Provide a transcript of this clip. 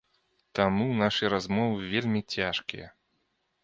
Таму нашы размовы вельмі цяжкія.